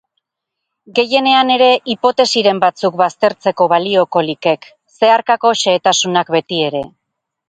Gehienean ere hipotesiren batzuk baztertzeko balioko likek, zeharkako xehetasunak betiere.